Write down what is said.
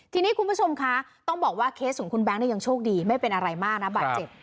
ทีนี้คุณผู้ชมคะต้องบอกว่าเคสของคุณแบงค์ยังโชคดีไม่เป็นอะไรมากนะบาดเจ็บ